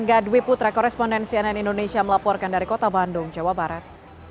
angga dwi putra korespondensi ann indonesia melaporkan dari kota bandung jawa barat